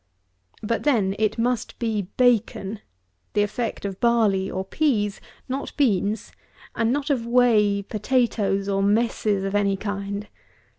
But, then, it must be bacon, the effect of barley or peas, (not beans,) and not of whey, potatoes, or messes of any kind.